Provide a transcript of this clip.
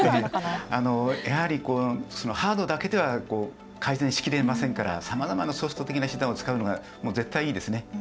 やはりハードだけでは改善し切れませんからさまざまなソフト的な手段を使うのが絶対いいですね。